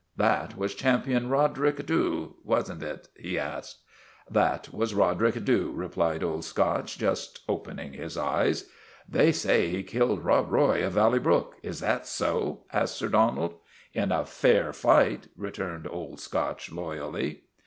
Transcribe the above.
" That was Champion Roderick Dhu, was n't it ?" he asked. " That was Roderick Dhu," replied Old Scotch, just opening his eyes. : They say he killed Rob Roy of Valley Brook is that so? " asked Sir Donald. ' In a fair fight," returned Old Scotch loyally.